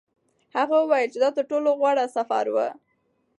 هغه وویل چې دا تر ټولو غوره سفر و.